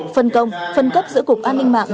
phân công phân cấp giữa cục an ninh mạng